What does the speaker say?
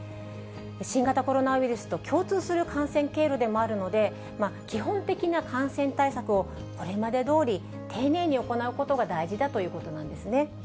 新型コロナウイルスと共通する感染経路でもあるので、基本的な感染対策をこれまでどおり、丁寧に行うことが大事だということなんですね。